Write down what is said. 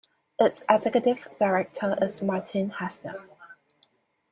Its executive director is Martin Hassner.